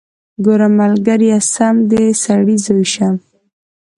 ګوره ملګريه سم د سړي زوى شه.